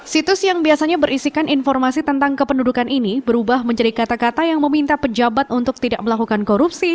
situs yang biasanya berisikan informasi tentang kependudukan ini berubah menjadi kata kata yang meminta pejabat untuk tidak melakukan korupsi